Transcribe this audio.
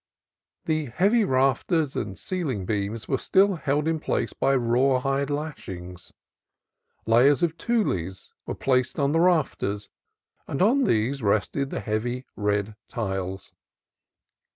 The heavy rafters and ceiling beams were still held in place by rawhide lashings. Layers of tules were placed on the rafters, and on these rested the heavy red tiles.